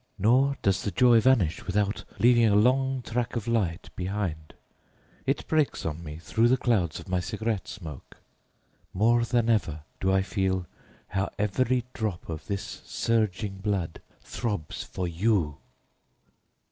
Nor does the joy vanish without leaving a long track of light behind. It breaks on me through the clouds of my cigarette smoke. More than ever do I feel how every drop of this surging blood throbs for you.